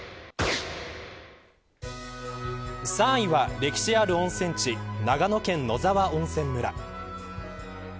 ３位は歴史ある温泉地長野県野沢温泉村。